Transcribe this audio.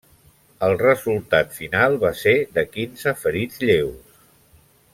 El resultat final va ser de quinze ferits lleus.